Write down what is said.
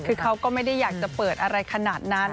คือเขาก็ไม่ได้อยากจะเปิดอะไรขนาดนั้น